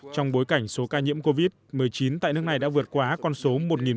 trong bối cảnh số ca nhiễm covid một mươi chín tại nước này đã vượt qua con số một một trăm linh